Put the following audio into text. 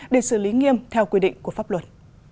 để xử lý nghiêm theo quy định của pháp luật